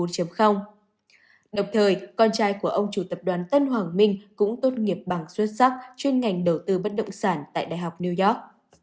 đồng thời con trai của ông chủ tập đoàn tân hoàng minh cũng tốt nghiệp bằng xuất sắc chuyên ngành đầu tư bất động sản tại đại học new york